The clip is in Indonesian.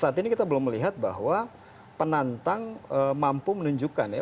saat ini kita belum melihat bahwa penantang mampu menunjukkan ya